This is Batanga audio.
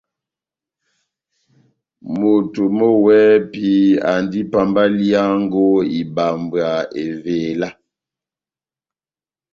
Moto mɔ́ wɛ́hɛ́pi andi pambaliyango ibambwa evela.